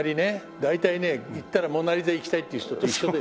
大体ね行ったら『モナ・リザ』行きたいっていう人と一緒だよ。